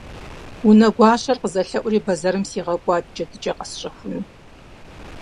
Унэгуащэр къызэлъэӀури бэзэрым сигъэкӀуат джэдыкӀэ къэсщэхуну.